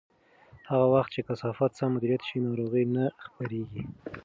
هغه وخت چې کثافات سم مدیریت شي، ناروغۍ نه خپرېږي.